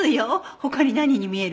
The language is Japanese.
他に何に見える？